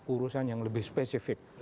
urusan yang lebih spesifik